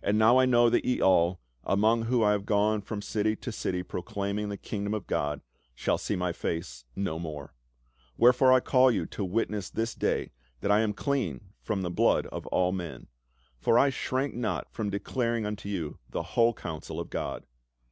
"And now I know that ye all, among whom I have gone from city to city proclaiming the kingdom of God, shall see my face no more. Wherefore I call you to witness this day that I am clean from the blood of all men. For I shrank not from declaring unto you the whole counsel of God.